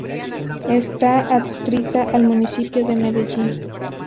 Está adscrita al Municipio de Medellín.